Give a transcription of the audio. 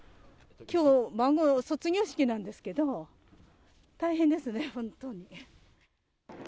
きょう孫、卒業式なんですけど、大変ですね、本当に。